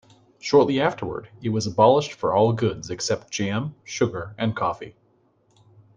Shortly afterwards, it was abolished for all goods except jam, sugar and coffee.